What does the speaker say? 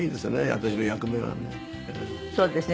私の役目はね。